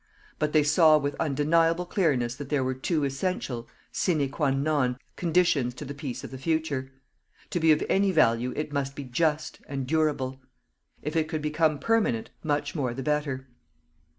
But they saw with undeniable clearness that there were two essential sine qua non conditions to the peace of the future. To be of any value it must be Just and Durable. If it could become permanent, much more the better.